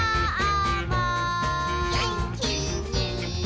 「げんきに」